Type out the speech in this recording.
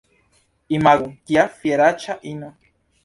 Imagu, kia fieraĉa ino!